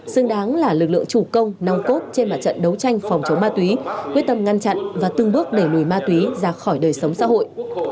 xứng đáng là lực lượng chủ công nòng cốt trên mặt trận đấu tranh phòng chống ma túy quyết tâm ngăn chặn và từng bước đẩy lùi ma túy ra khỏi đời sống xã hội